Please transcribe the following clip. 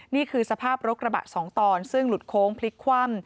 นี่คือสภาพรถกระบะสองตอนซึ่งหลุดโค้งพลิกคว่ำ